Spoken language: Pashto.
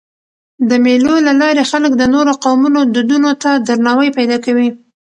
د مېلو له لاري خلک د نورو قومونو دودونو ته درناوی پیدا کوي.